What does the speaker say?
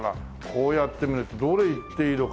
こうやって見るとどれいっていいのか。